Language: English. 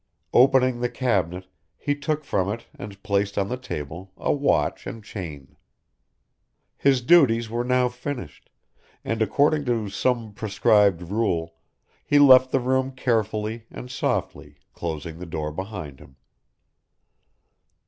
Opening the cabinet he took from it and placed on the table a watch and chain. His duties were now finished, and, according to some prescribed rule, he left the room carefully and softly, closing the door behind him.